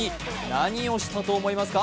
何をしたと思いますか？